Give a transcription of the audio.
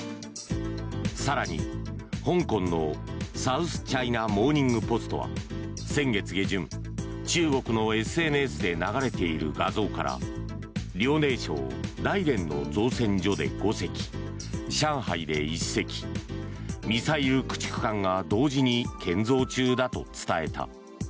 更に、香港のサウスチャイナ・モーニング・ポストは先月下旬、中国のＳＮＳで流れている画像から遼寧省大連の造船所で５隻上海で１隻、ミサイル駆逐艦が同時に建造中だと伝えた。